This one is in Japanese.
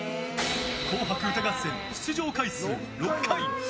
「紅白歌合戦」出場回数６回。